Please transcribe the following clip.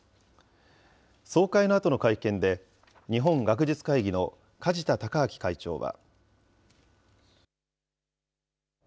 総会のあとの会見で、日本学術会議の梶田隆章会長は。